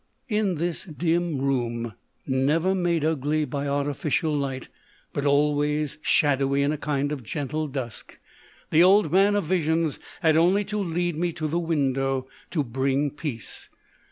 In this dim room, never made ugly by artificial light, but always shadowy in a kind of gentle dusk, the Old Man of Visions had only to lead me to the window to bring peace.